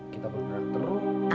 kita bergerak terus